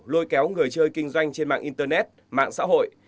lôi kéo người chơi kinh doanh trên mạng internet mạng xã hội